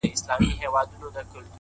پرې ویده تېرېږي بله پېړۍ ورو ورو-